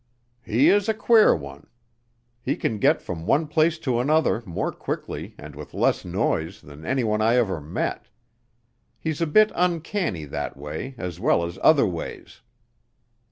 "He is a queer one. He can get from one place to another more quickly and with less noise than anyone I ever met. He's a bit uncanny that way as well as other ways.